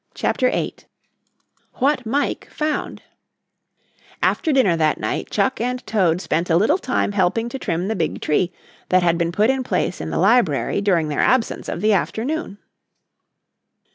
CHAPTER VIII WHAT MIKE FOUND After dinner that night Chuck and Toad spent a little time helping to trim the big tree that had been put in place in the library during their absence of the afternoon.